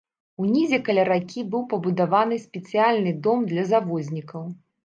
Унізе каля ракі быў пабудаваны спецыяльны дом для завознікаў.